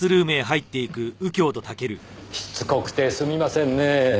しつこくてすみませんねぇ。